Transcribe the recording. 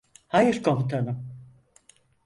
Hayır komutanım.